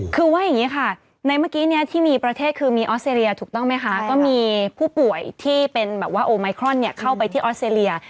คือว่าอย่างนี้ค่ะในเมื่อกี้ที่มีประเทศคือมีออสเตรเลียถูกต้องไหมคะก็มีผู้ป่วยที่เป็นแบบว่าโอไมครอนเข้าไปที่ออสเตรเลีย